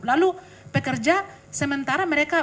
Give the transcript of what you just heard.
lalu pekerja sementara mereka